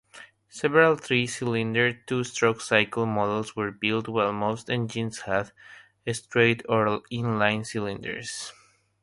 Several three-cylinder, two-stroke-cycle models were built while most engines had straight or in-line cylinders.